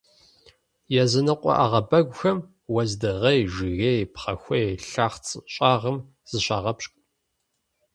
Языныкъуэ ӏэгъэбэгухэм уэздыгъей, жыгей, пхъэхуей лъэхъц щӀагъым зыщагъэпщкӏу.